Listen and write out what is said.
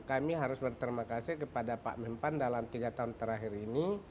kami harus berterima kasih kepada pak mempan dalam tiga tahun terakhir ini